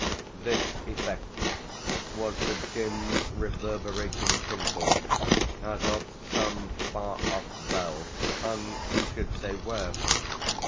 This effect was the dim reverberating tinkle as of some far off bell hung who should say where?